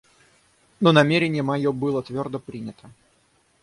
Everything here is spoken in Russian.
Но намерение мое было твердо принято.